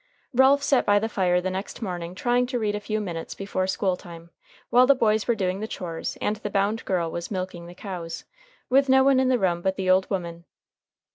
Ralph sat by the fire the next morning trying to read a few minutes before school time, while the boys were doing the chores and the bound girl was milking the cows, with no one in the room but the old woman.